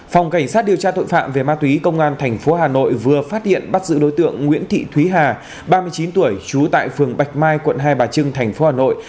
phòng cảnh sát điều tra tội phạm về ma túy công an tp hà nội vừa phát hiện bắt giữ đối tượng nguyễn thị thúy hà ba mươi chín tuổi trú tại phường bạch mai quận hai bà trưng tp hà nội